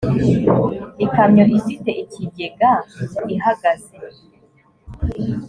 ikamyo ifite ikigega ihagaze